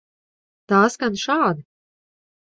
Tā skan šādi.